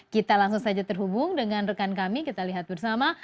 kita langsung saja terhubung dengan rekan kami kita lihat bersama